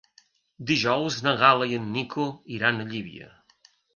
Dijous na Gal·la i en Nico iran a Llívia.